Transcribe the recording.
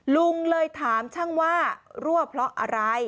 ลุงเลยถามช่างว่ารั่วเพราะอะไร